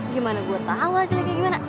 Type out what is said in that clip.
gimana gua tau aslinya kayak gimana